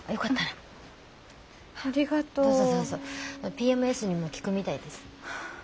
ＰＭＳにも効くみたいです。